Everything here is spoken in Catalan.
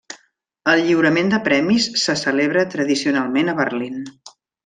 El lliurament de premis se celebra tradicionalment a Berlín.